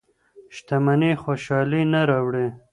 شتمني خوشحالي نه راوړي.